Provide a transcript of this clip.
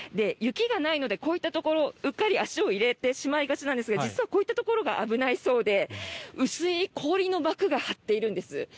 雪がないのでこういったところうっかり足を入れてしまいがちなんですが実はこういったところが危ないそうで薄い氷の幕が張っているんです。